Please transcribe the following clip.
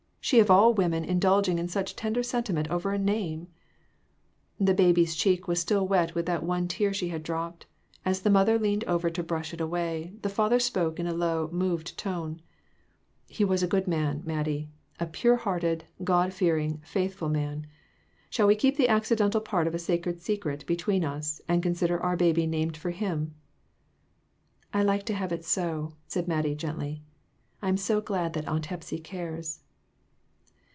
She of all women indulging in such tender sentiment over a name ! The baby's cheek was still wet with that one tear she had dropped ! As the mother leaned over to brush it away, the father spoke in a low, moved tone "He was a good man, Mattie; a pure hearted, God fearing, faithful man ; shall we keep the accidental part a sacred secret between us, and consider our baby named for him?" " I like to have it so," said Mattie, gently ;" I am so glad that Aunt Hepsy cares."